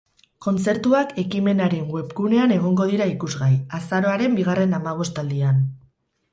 Kontzertuak ekimenaren webgunean egongo dira ikusgai, azaroaren bigarren hamabostaldian.